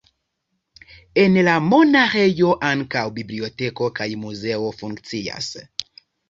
En la monaĥejo ankaŭ biblioteko kaj muzeo funkcias.